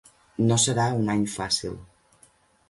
No serà un any fàcil.